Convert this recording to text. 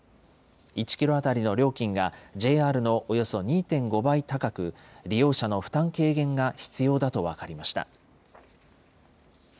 １キロ当たりの料金がＪＲのおよそ２．５倍高く、利用者の負担軽減が必要だと分かりました。